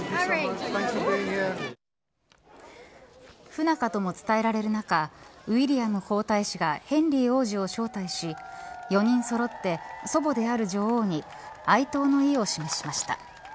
不仲とも伝えられる中ウィリアム皇太子がヘンリー王子を招待し４人そろって祖母である女王に哀悼の意を示しました。